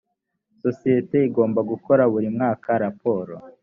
sosiyete igomba gukora buri mwaka raporo